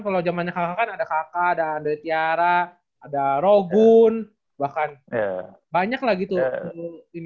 kalau zamannya kakak kakak ada kakak ada dary tiara ada rogun bahkan banyak lagi tuh